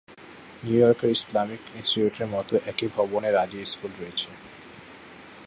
নিউইয়র্কের ইসলামিক ইনস্টিটিউটের মতো একই ভবনে রাজি স্কুল রয়েছে।